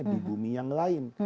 di bumi yang lain